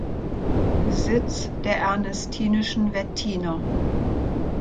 Besitz der ernestinischen Wettiner.